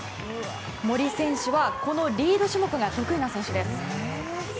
森選手は、このリード種目が得意な選手です。